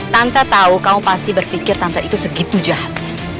tante tahu kamu pasti berpikir tante itu segitu jahat